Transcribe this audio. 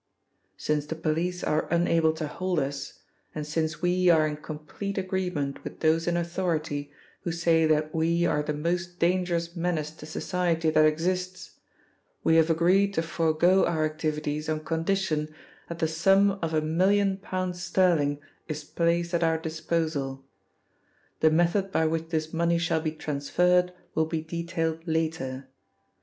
Since the police are unable to hold Us, and since We are in complete agreement with those in authority who say that We are the most dangerous menace to society that exists, We have agreed to forego Our activities on condition that the sum of a million pounds sterling is placed at Our disposal. The method by which this money shall be transferred will be detailed later.